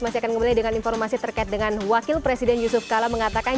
masih akan kembali dengan informasi terkait dengan wakil presiden yusuf kala mengatakan